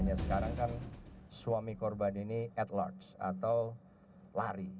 ya sekarang kan suami korban ini at larks atau lari